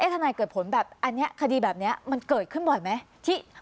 ทนายเกิดผลแบบอันนี้คดีแบบนี้มันเกิดขึ้นบ่อยไหม